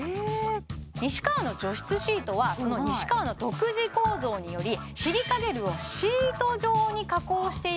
西川の除湿シートはその西川の独自構造によりシリカゲルをシート状に加工して入れることで